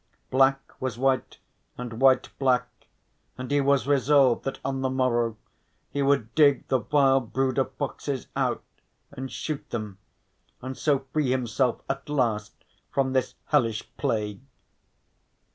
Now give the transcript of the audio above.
Black was white and white black, and he was resolved that on the morrow he would dig the vile brood of foxes out and shoot them, and so free himself at last from this hellish plague.